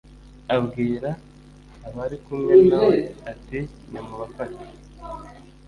abwira abari kumwe na we ati nimubafate